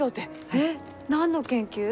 えっ何の研究？